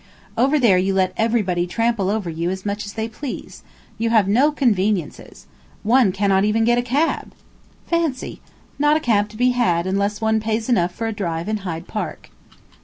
"Over there you let everybody trample over you as much as they please. You have no conveniences. One cannot even get a cab. Fancy! Not a cab to be had unless one pays enough for a drive in Hyde Park."